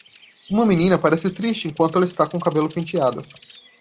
Uma menina parece triste enquanto ela está com o cabelo penteado.